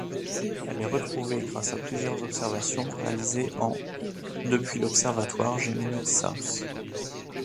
Elle est retrouvée grâce à plusieurs observations réalisées en depuis l'observatoire Gemini South.